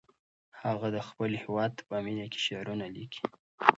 هغه د خپل هېواد په مینه کې شعرونه لیکي.